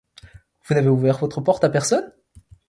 Vous n’avez ouvert votre porte à personne?